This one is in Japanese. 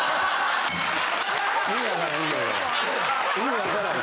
意味わからん。